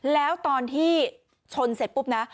แล้วตอนที่ชนเสร็จปุ๊บนะ